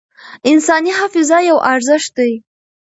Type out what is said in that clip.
انساني حافظه یو ارزښت دی.